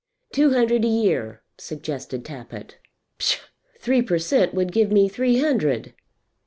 "Two hundred a year," suggested Tappitt. "Psha! Three per cent. would give me three hundred."